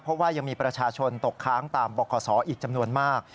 เพราะว่ายังมีประชาชนตกค้างตามบขอีกจำนวนมาก